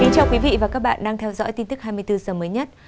chào quý vị và các bạn đang theo dõi tin tức hai mươi bốn h mới nhất